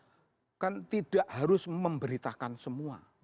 karena kan tidak harus memberitakan semua